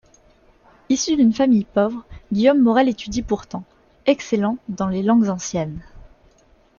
Issu d'une famille pauvre, Guillaume Morel étudie pourtant, excellant dans les langues anciennes.